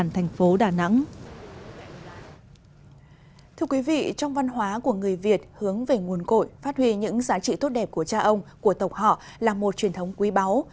thưa quý vị trong văn hóa của người việt hướng về nguồn cội phát huy những giá trị tốt đẹp của cha ông của tộc họ là một truyền thống quý báu